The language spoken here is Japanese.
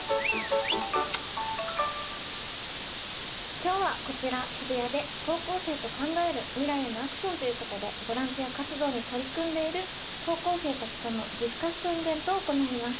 今日はこちら渋谷で高校生と考える未来へのアクションということでボランティア活動に取り組んでいる高校生たちとのディスカッションイベントを行います。